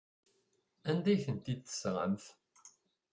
Anda ay tent-id-tesɣamt?